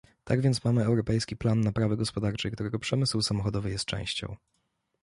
Tak więc mamy europejski plan naprawy gospodarczej, którego przemysł samochodowy jest częścią